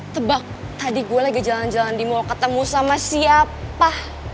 tebak tadi gue lagi jalan jalan di mall ketemu sama siapa